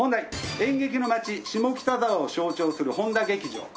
演劇の街下北沢を象徴する本多劇場。